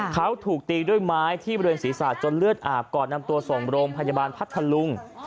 เขาถูกตีด้วยไม้ที่บริเวณศีรษะจนเลือดอาบก่อนนำตัวส่งโรงพยาบาลพัทธลุง